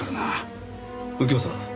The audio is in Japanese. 右京さん